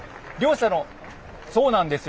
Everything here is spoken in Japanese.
そうなんですよ。